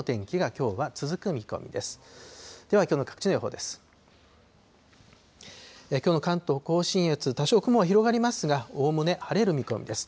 きょうの関東甲信越、多少雲は広がりますが、おおむね晴れる見込みです。